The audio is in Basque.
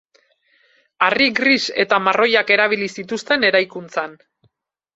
Harri gris eta marroiak erabili zituzten eraikuntzan.